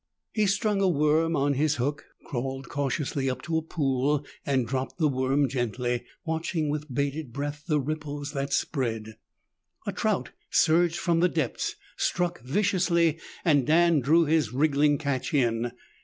He strung a worm on his hook, crawled cautiously up to a pool and dropped the worm gently, watching with bated breath the ripples that spread. A trout surged from the depths, struck viciously, and Dan drew his wriggling catch in.